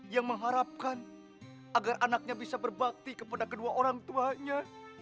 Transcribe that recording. yang mengharapkan agar anaknya bisa berbakti kepada kedua orang tuanya